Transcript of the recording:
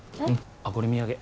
あっこれ土産。